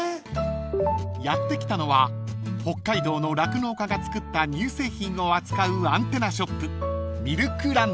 ［やって来たのは北海道の酪農家が作った乳製品を扱うアンテナショップ］